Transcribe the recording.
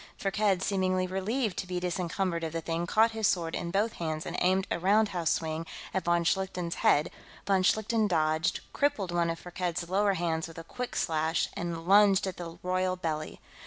Firkked, seemingly relieved to be disencumbered of the thing, caught his sword in both hands and aimed a roundhouse swing at von Schlichten's head; von Schlichten dodged, crippled one of Firkked's lower hands with a quick slash, and lunged at the royal belly.